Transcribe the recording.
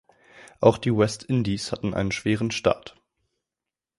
Auch die West Indies hatten einen schweren Start.